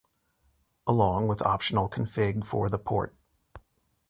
Along with optional config for the port